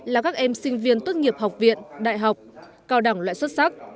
là các em sinh viên tốt nghiệp học viện đại học cao đẳng loại xuất sắc